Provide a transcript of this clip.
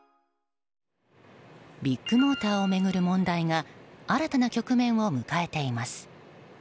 ビッグモーターを巡る問題が新たな局面を迎えています。